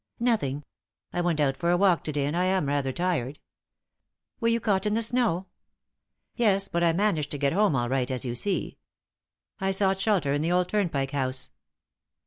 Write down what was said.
"Nothing. I went out for a walk to day and I am rather tired." "Were you caught in the snow?" "Yes, but I managed to get home all right, as you see. I sought shelter in the old Turnpike House."